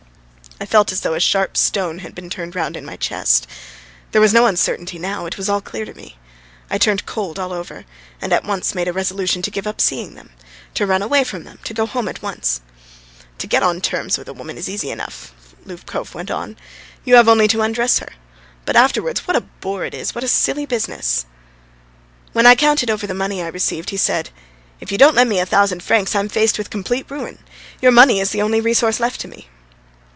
I felt as though a sharp stone had been turned round in my chest. There was no uncertainty now; it was all clear to me. I turned cold all over, and at once made a resolution to give up seeing them, to run away from them, to go home at once. ... "To get on terms with a woman is easy enough," Lubkov went on. "You have only to undress her; but afterwards what a bore it is, what a silly business!" When I counted over the money I received he said: "If you don't lend me a thousand francs, I am faced with complete ruin. Your money is the only resource left to me."